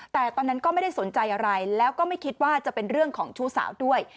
แต่ตอนนั้นก็ไม่ได้สนใจอะไรแล้วก็ไม่คิดว่าจะเป็นเรื่องของชู้สาวด้วย